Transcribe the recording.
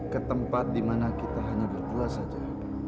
ketempat dimana kita hanya berdua saja